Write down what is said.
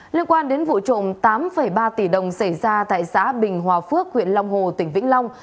liên quan đến vụ trộm tám ba tỷ đồng xảy ra tại xã bình hòa phước huyện long hồ tỉnh vĩnh long